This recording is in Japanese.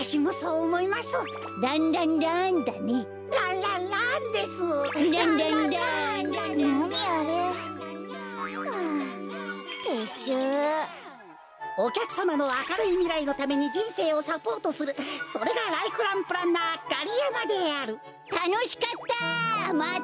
おきゃくさまのあかるいみらいのためにじんせいをサポートするそれがライフランプランナーガリヤマであるたのしかった！